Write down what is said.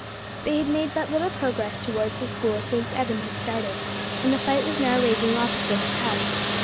They had made but little progress towards the school since Evan had started, and the fight was now raging opposite his house.